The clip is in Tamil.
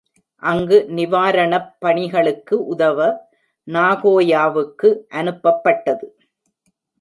அங்கு நிவாரணப் பணிகளுக்கு உதவ நாகோயாவுக்கு அனுப்பப்பட்டது.